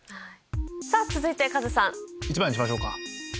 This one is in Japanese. さぁ続いてカズさん。にしましょうか。